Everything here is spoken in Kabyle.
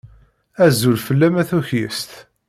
Azul fell-am a tukyist!